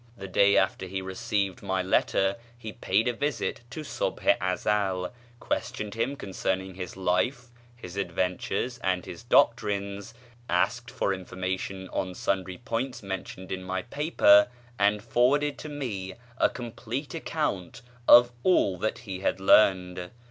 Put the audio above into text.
The day after he received my letter he paid a visit to Subh i Ezel; questioned him concerning his life, his adventures, and his doctrines; asked for information on sundry points mentioned in my paper; and forwarded to me a complete account of all that he had learned.